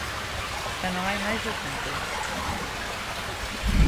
Xa non hai máis asuntos.